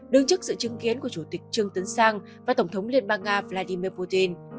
đứng trước sự chứng kiến của chủ tịch trương tấn sang và tổng thống liên bang nga vladimir putin